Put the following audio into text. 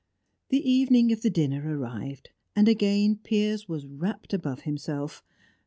The evening of the dinner arrived, and again Piers was rapt above himself.